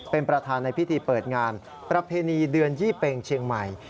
เป็นประธานในพิธีเปิดงานประเพณีเดือนยี่เปงเชียงใหม่